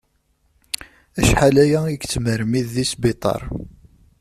Acḥal aya i yettmermid di sbiṭar.